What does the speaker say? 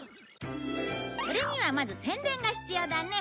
それにはまず宣伝が必要だね。